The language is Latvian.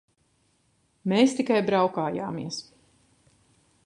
Mēs tikai braukājāmies.